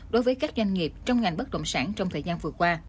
đối với các doanh nghiệp trong ngành bất động sản trong thời gian vừa qua